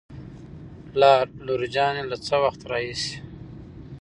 پلار : لور جانې له څه وخت راهېسې